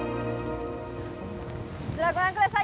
こちらご覧ください！